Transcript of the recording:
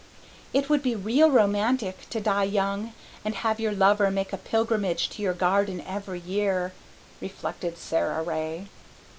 "It would be real romantic to die young and have your lover make a pilgrimage to your garden every year," reflected Sara Ray.